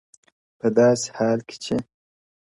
په داسي حال کي چي -